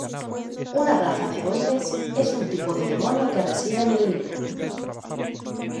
Una raza de Duendes es un tipo de demonio que reside en el Limbo.